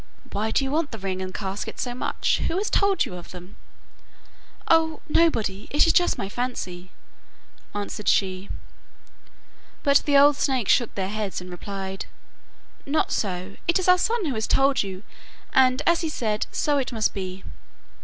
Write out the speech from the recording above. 'Why do you want the ring and casket so much? Who has told you of them?' 'Oh, nobody; it is just my fancy,' answered she. But the old snakes shook their heads and replied: 'Not so; it is our son who told you, and, as he said, so it must be.